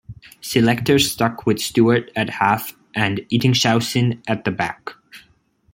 Selectors stuck with Stuart at half and Ettingshausen at the back.